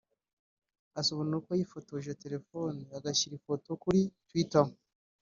Asobanura uko yifotoje telefone agashyira ifoto kuri twitter